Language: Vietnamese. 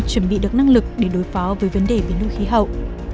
chuẩn bị được năng lực để đối phó với vấn đề biến đổi khí hậu